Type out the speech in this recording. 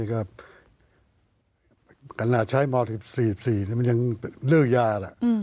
กันอาจใช้ม๔๔มันยังเรื่อยาละ